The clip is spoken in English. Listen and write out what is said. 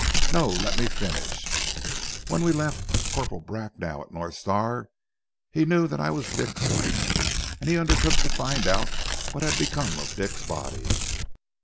"No! Let me finish. When we left Corporal Bracknell at North Star, he knew that I was Dick's wife, and he undertook to find out what had become of Dick's body.